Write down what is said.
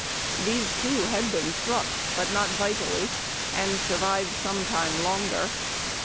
These two had been struck but not vitally, and survived some time longer.